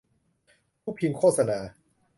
ผู้พิมพ์โฆษณา